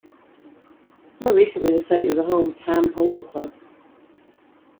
More recently the site was the home of Ham Polo Club.